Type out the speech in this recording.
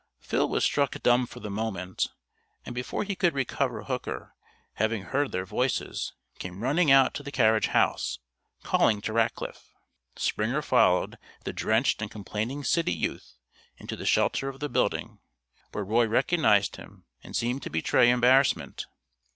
Phil was struck dumb for the moment, and before he could recover Hooker, having heard their voices, came running out to the carriage house, calling to Rackliff. Springer followed the drenched and complaining city youth into the shelter of the building, where Roy recognized him and seemed to betray embarrassment.